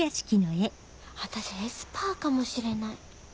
私エスパーかもしれない。